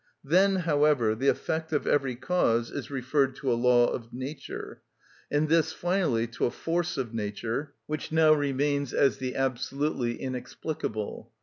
Then, however, the effect of every cause is referred to a law of nature, and this finally to a force of nature, which now remains as the absolutely inexplicable.